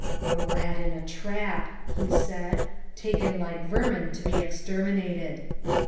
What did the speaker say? "A rat in a trap," he said, " taken like vermin to be exterminated."